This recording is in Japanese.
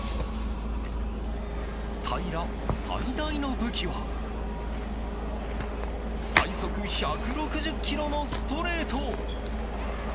平良、最大の武器は最速１６０キロのストレート。